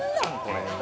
これ。